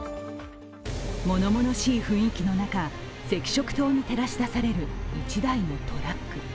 ものものしい雰囲気の中、赤色灯に照らし出される１台のトラック。